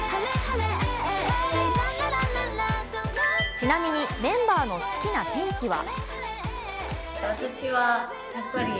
ちなみに、メンバーの好きな天気は？